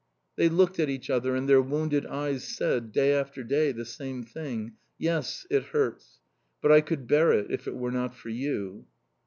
They looked at each other, and their wounded eyes said, day after day, the same thing: "Yes, it hurts. But I could bear it if it were not for you."